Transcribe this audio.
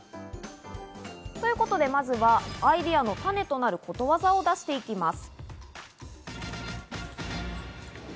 まずはアイデアの種となる、ことわざを出していきます。